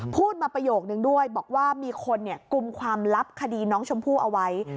พูดมาประโยคนึงด้วยบอกว่ามีคนกุมความลับคดีน้องชมพู่เอาไว้